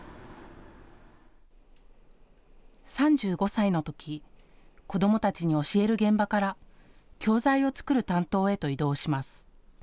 ３５歳のとき子どもたちに教える現場から教材を作る担当へと異動します。